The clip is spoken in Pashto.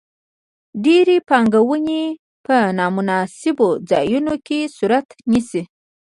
ډېرې پانګونې په نا مناسبو ځایونو کې صورت نیسي.